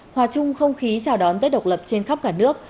hòa chung không khí chào đón tết độc lập trên khắp cả nước